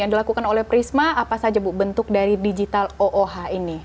yang dilakukan oleh prisma apa saja bu bentuk dari digital ooh ini